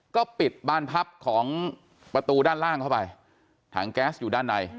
ก็ปิดบ้านพับของประตูด้านล่างเข้าไปถังแก๊สอยู่ด้านใน